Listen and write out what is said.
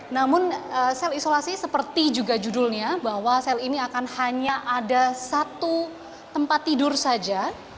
namun sel isolasi seperti juga judulnya bahwa sel ini akan hanya ada satu tempat tidur saja